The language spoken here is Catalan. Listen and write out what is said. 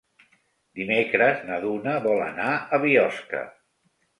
Dimecres na Duna vol anar a Biosca.